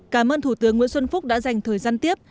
cảm ơn thủ tướng nguyễn xuân phúc đã dành thời gian tiếp